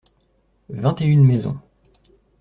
Vingt et une maisons.